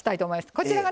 こちらがね